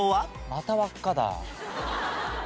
また輪っかだ。